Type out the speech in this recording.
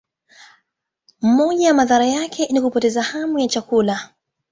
Moja ya madhara yake ni kupoteza hamu ya chakula.